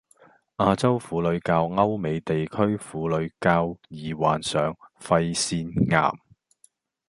亞洲婦女較歐美地區婦女較易患上肺腺癌